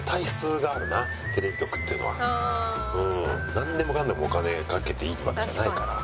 なんでもかんでもお金かけていいわけじゃないから。